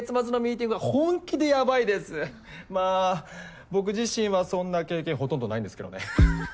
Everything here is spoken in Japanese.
まあ僕自身はそんな経験ほとんどないんですけどねはははっ。